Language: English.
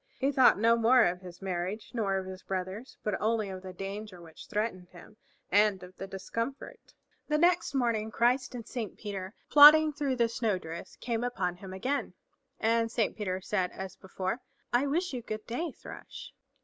He thought no more of his marriage, nor of his brother's, but only of the danger which threatened him, and of the discomfort. The next morning Christ and Saint Peter, plodding through the snow drifts, came upon him again, and Saint Peter said as before, "I wish you good day, Thrush."